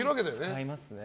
使いますね。